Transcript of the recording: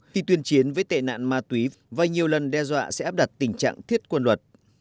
khi tuyên chiến với tệ nạn ma túy và nhiều lần đe dọa sẽ áp đặt tình trạng thiết quân luật